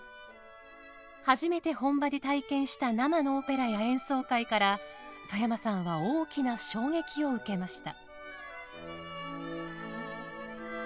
初めて本場で体験した生のオペラや演奏会から外山さんは大きな衝撃を受けました。